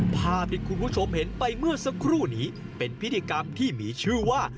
ภาพที่คุณผู้ชมเห็นไปเมื่อสักครู่นี้เป็นพิธีกรรมที่มีชื่อว่า